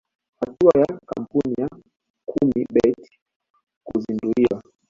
Hatua ya kampuni ya kumi bet kuzinduliwa